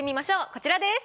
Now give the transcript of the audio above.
こちらです。